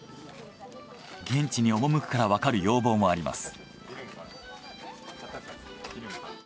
現地に赴くからわかる要望もあります。